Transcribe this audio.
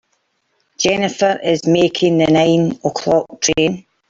Jennifer is making the nine o'clock train.